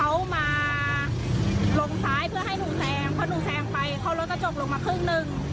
เขามาลงซ้ายเพื่อให้หนูแซงเพราะหนูแซงไปเขารถกระจกลงมาครึ่งหนึ่ง